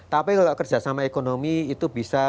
tapi kalau kerjasama ekonomi itu bisa